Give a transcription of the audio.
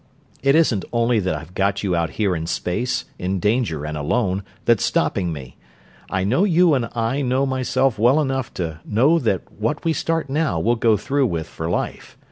"It isn't only that I've got you out here in space, in danger and alone, that's stopping me. I know you and I know myself well enough to know that what we start now we'll go through with for life.